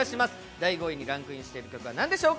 第５位にランクインしているのは何でしょうか。